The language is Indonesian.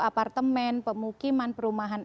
apartemen pemukiman perumahan